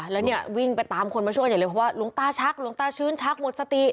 แล้วเนี่ยวิ่งไปตามคนมาช่วยกันใหญ่เลยเพราะว่าหลวงตาชักหลวงตาชื้นชักหมดสติ